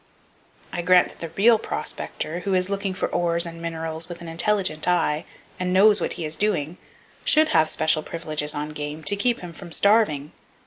I grant that the real prospector, who is looking for ores and minerals with an intelligent eye, and knows what he is doing, should have special privileges on game, to keep him from starving.